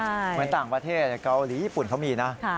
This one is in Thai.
เหมือนต่างประเทศเกาหลีญี่ปุ่นเขามีนะ